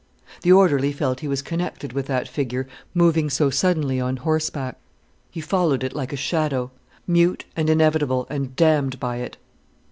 The orderly felt he was connected with that figure moving so suddenly on horseback: he followed it like a shadow, mute and inevitable and damned by it.